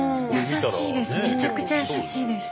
優しいです。